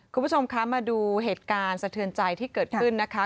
คุณผู้ชมคะมาดูเหตุการณ์สะเทือนใจที่เกิดขึ้นนะคะ